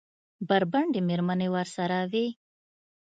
بربنډې مېرمنې ورسره وې؟